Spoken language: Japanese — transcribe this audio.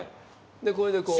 これでこう。